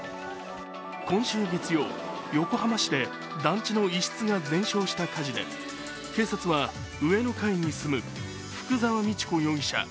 今週月曜、横浜市で団地の一室が全焼した火事で警察は上の階に住む福沢道子容疑者